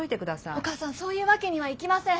お母さんそういうわけにはいきません。